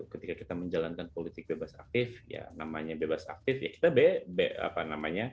ketika kita menjalankan politik bebas aktif ya namanya bebas aktif ya kita